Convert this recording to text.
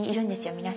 皆さん。